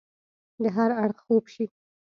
د هر اړخ خوب شي